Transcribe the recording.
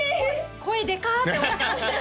声でかって思ってました